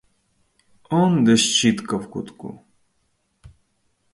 Онде щітка в кутку.